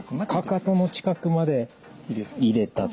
かかとの近くまで入れたぞ。